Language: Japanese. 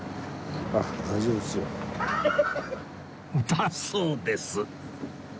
だそうです